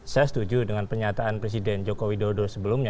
saya setuju dengan pernyataan presiden joko widodo sebelumnya